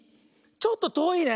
ちょっととおいね。